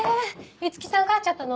五木さん帰っちゃったの？